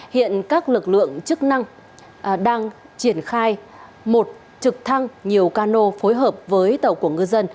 hiện các lực lượng chức năng đang triển khai một trực thăng nhiều cano phối hợp với tàu của ngư dân